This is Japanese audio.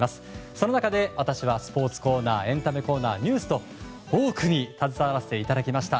その中で私はスポーツコーナーエンタメコーナーニュースと多くに携わらせていただきました。